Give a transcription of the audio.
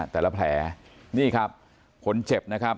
แต่ละแผลนี่ครับคนเจ็บ